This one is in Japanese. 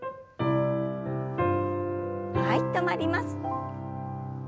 はい止まります。